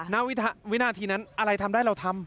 ณวินาทีนั้นอะไรทำได้เราทำ